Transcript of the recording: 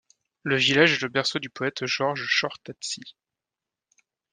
Le village est le berceau du poète Georges Chortatsis.